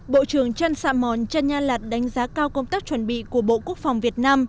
bộ trưởng trăn xạ mòn trăn nha lạt đánh giá cao công tác chuẩn bị của bộ quốc phòng việt nam